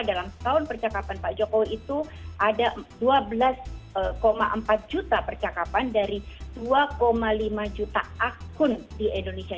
dalam setahun percakapan pak jokowi itu ada dua belas empat juta percakapan dari dua lima juta akun di indonesia